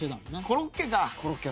コロッケか？